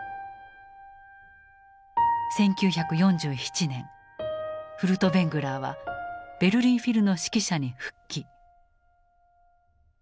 １９４７年フルトヴェングラーはベルリン・フィルの指揮者に復帰。